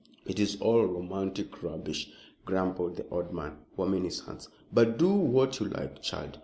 "It is all romantic rubbish," grumbled the old man, warming his hands. "But do what you like, child.